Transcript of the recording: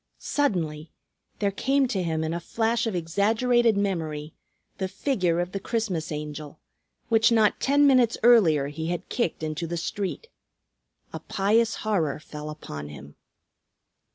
Suddenly, there came to him in a flash of exaggerated memory the figure of the Christmas Angel which not ten minutes earlier he had kicked into the street. A pious horror fell upon him.